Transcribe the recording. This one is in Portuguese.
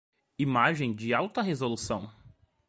Imagem de alta resolução.